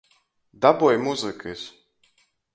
Daboj muzykys!